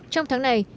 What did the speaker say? trong tháng này